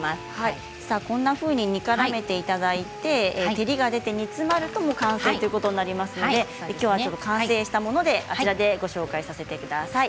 こんなふうに煮からめていただいて照りが出て、煮詰まると完成ということになりますのできょうは完成したものでご紹介させてください。